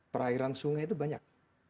perairan sungai itu banyak